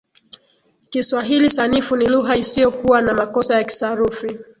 Kiswahili sanifu ni lugha isiyokuwa na makosa ya kisarufi.